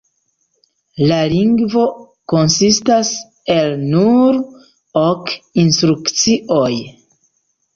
La lingvo konsistas el nur ok instrukcioj.